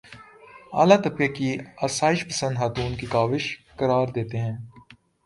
اعلیٰ طبقے کی آسائش پسند خاتون کی کاوش قرار دیتے ہیں